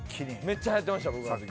めっちゃはやってました。